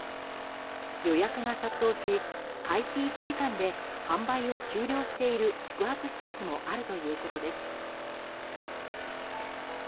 予約が殺到し、開始１時間で販売を終了している宿泊施設もあるということです。